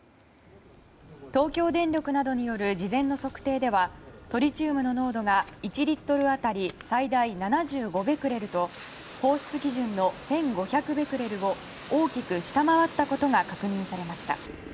東京電力などによる事前の測定ではトリチウムの濃度が１リットル当たり最大７５ベクレルと放出基準の１５００ベクレルを大きく下回ったことが確認されました。